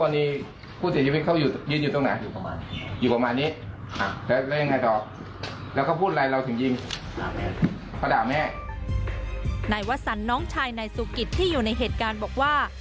นายวสันน้องชายนายสุกิตที่อยู่ในเหตุการณ์บอกว่า